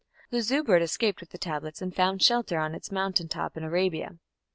The Zu bird escaped with the Tablets and found shelter on its mountain top in Arabia.